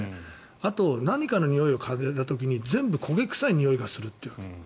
あと、何かのにおいを嗅いだ時に全部焦げ臭いにおいがすると。